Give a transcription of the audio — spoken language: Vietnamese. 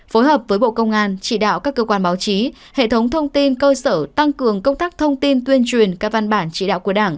phối hợp với bộ công an chỉ đạo các cơ quan báo chí hệ thống thông tin cơ sở tăng cường công tác thông tin tuyên truyền các văn bản chỉ đạo của đảng